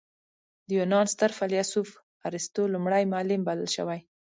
د یونان ستر فیلسوف ارسطو لومړی معلم بلل شوی.